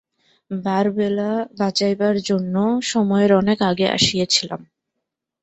বারবেলা বাঁচাইবার জন্য সময়ের অনেক আগে আসিয়াছিলাম।